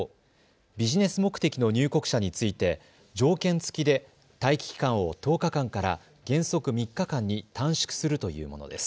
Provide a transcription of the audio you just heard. ビジネス目的の入国者について条件付きで待機期間を１０日間から原則３日間に短縮するというものです。